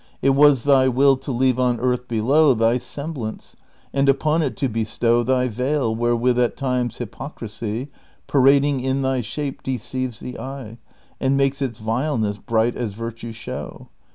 It was thy will to leave on earth below Thy semblance, and upon it to bestow Thy veil, wherewith at times hypocrisy, Parading in thy sha})e, deceives the eye. And makes its vileness bright as virtue show.